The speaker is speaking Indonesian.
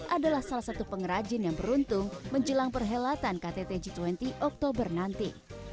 adalah salah satu pengrajin yang beruntung menjelang perhelatan ktt g dua puluh oktober nanti